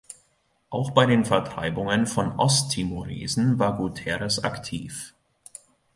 Auch bei den Vertreibungen von Osttimoresen war Guterres aktiv.